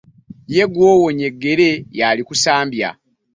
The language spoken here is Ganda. Ye gwowonya eggere y'alikusambya .